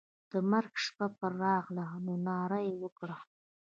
د مرګ شپه پر راغله نو ناره یې وکړه.